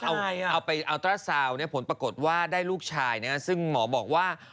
เอาไปอัลตราซาวผลปรากฏว่าได้ลูกชายซึ่งหมอบอกว่า